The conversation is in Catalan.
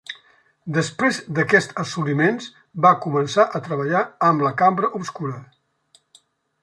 Després d'aquests assoliments va començar a treballar amb la cambra obscura.